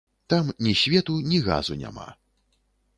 Там ні свету, ні газу няма.